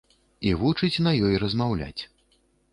І вучыць на ёй размаўляць.